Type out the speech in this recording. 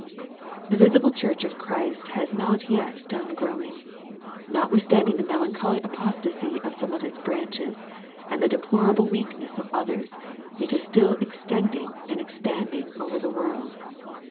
The visible church of Christ has not yet done growing. Notwithstanding the melancholy apostacy of some of its branches, and the deplorable weakness of others, it is still extending and expanding over the world.